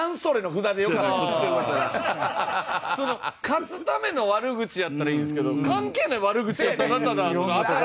勝つための悪口やったらいいんですけど関係ない悪口をただただ。